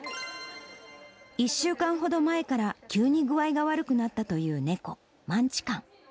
１週間ほど前から急に具合が悪くなったという猫、マンチカン。